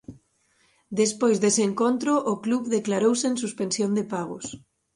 Despois dese encontro o club declarouse en suspensión de pagos.